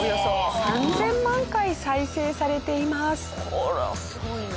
これはすごいな。